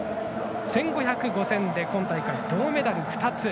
１５００、５０００で今大会、銅メダル２つ。